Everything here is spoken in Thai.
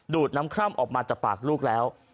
น้ำคร่ำออกมาจากปากลูกแล้ว